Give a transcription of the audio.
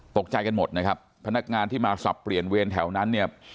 ตกใจกันหมดนะครับพนักงานที่มาสับเปลี่ยนเวรแถวนั้นเนี่ย